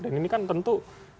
dan ini kan tentu